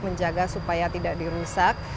menjaga supaya tidak dirusak